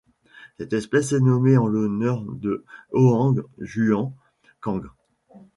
Cette espèce est nommée en l'honneur de Hoang Xuan Quang.